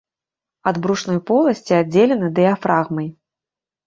Ад брушной поласці аддзелена дыяфрагмай.